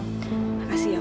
makasih ya wah